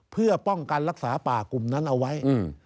เพื่อป้องกันรักษาป่ากลุ่มนั้นเอาไว้